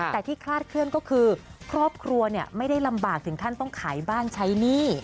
แต่ที่คลาดเคลื่อนก็คือครอบครัวไม่ได้ลำบากถึงขั้นต้องขายบ้านใช้หนี้